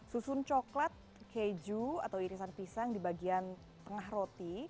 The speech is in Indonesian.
susun coklat keju atau irisan pisang di bagian tengah roti